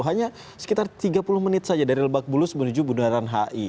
hanya sekitar tiga puluh menit saja dari lebak bulus menuju bundaran hi